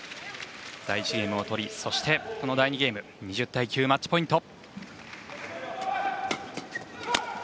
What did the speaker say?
第１ゲームを取りそして、第２ゲームマッチポイント。